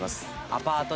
アパート